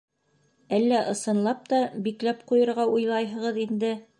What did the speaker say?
— Әллә, ысынлап та, бикләп ҡуйырға уйлайһығыҙ инде?